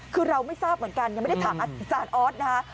คือเราไม่ทราบเหมือนกันยังไม่ได้ถามอาจารย์ออสนะคะ